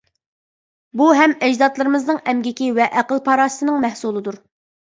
بۇ ھەم ئەجدادلىرىمىزنىڭ ئەمگىكى ۋە ئەقىل-پاراسىتىنىڭ مەھسۇلىدۇر.